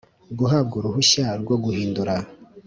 Guhabwa uruhushya rwo guhindura